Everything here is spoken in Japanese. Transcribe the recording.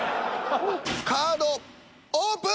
カードオープン！